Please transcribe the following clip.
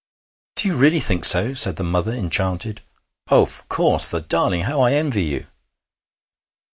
'Do you really think so?' said the mother, enchanted. 'Of course! The darling! How I envy you!'